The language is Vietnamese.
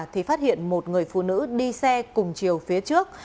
thì phát hiện một người phụ nữ đi xe cùng chiều phía trước